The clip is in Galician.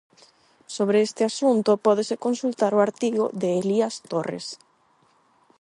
Sobre este asunto pódese consultar o artigo de Elías Torres.